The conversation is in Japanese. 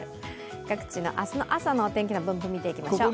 各地の明日の朝のお天気の分布見ていきましょう。